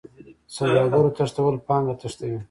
د سوداګرو تښتول پانګه تښتوي.